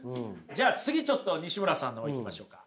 じゃあ次ちょっとにしむらさんの方いきましょうか。